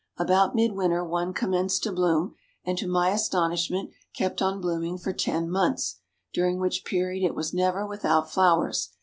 About midwinter one commenced to bloom, and to my astonishment kept on blooming for ten months, during which period it was never without flowers.